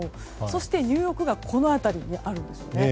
そして、ニューヨークがこの辺りにあるんです。